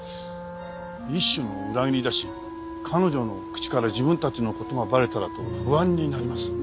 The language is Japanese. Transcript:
一種の裏切りだし彼女の口から自分たちの事がバレたらと不安になります。